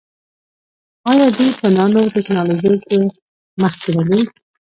آیا دوی په نانو ټیکنالوژۍ کې مخکې نه دي؟